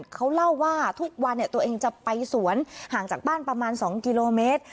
เขาเล่าว่าทุกวันตัวเองจะไปสวนห่างจากบ้านประมาณ๒กิโลเมตร